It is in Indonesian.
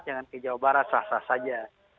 jangan ke jawa barat sah sah saja